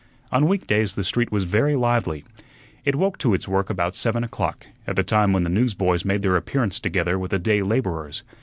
On week days the street was very lively. It woke to its work about seven o'clock, at the time when the newsboys made their appearance together with the day laborers.